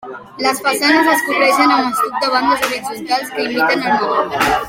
Les façanes es cobreixen amb estuc de bandes horitzontals que imiten el maó.